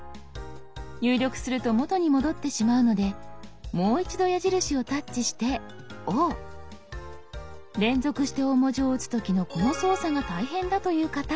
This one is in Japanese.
入力すると元に戻ってしまうのでもう一度矢印をタッチして「Ｏ」。連続して大文字を打つ時のこの操作が大変だという方